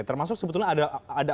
termasuk sebetulnya ada